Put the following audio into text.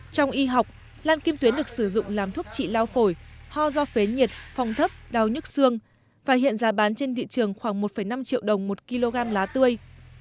trong y học lan kim tuyến được sử dụng làm thuốc trị lao phổi ho do phế nhiệt phòng thấp đau nhức xương và hiện giá bán trên thị trường khoảng một năm triệu đồng một kg lá tươi